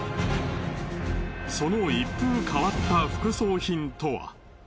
その一風変わった副葬品とは。